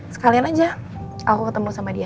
sekalian aja aku ketemu sama dia